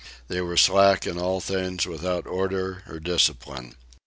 They were slack in all things, without order or discipline.